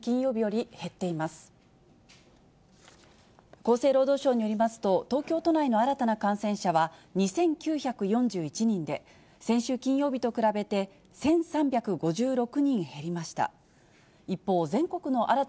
厚生労働省によりますと、東京都内の新たな感染者は２９４１人で、先週金曜日と比べて１３５６人減りました。